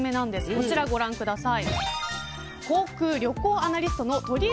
こちらをご覧ください。